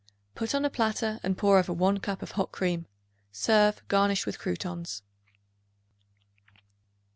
Put on a platter and pour over 1 cup of hot cream. Serve, garnished with croutons.